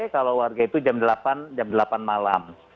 kalau warga itu jam delapan jam delapan malam